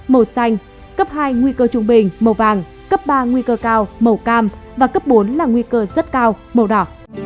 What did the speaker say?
màu xanh cấp hai nguy cơ trung bình cấp ba nguy cơ cao và cấp bốn là nguy cơ rất cao